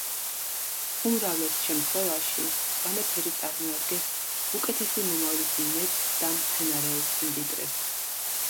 უმრავლეს შემთხვევაში მწვანე ფერი წარმოადგენს უკეთესი მომავლის იმედს და მცენარეულ სიმდიდრეს.